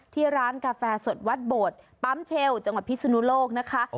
ที่ร้านกาแฟสดวัดโบดปั๊มเชลจังหวัดพิศนุโลกนะคะ